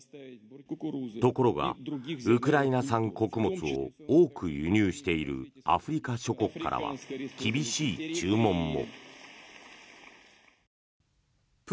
ところが、ウクライナ産穀物を多く輸入しているアフリカ諸国からは厳しい注文も。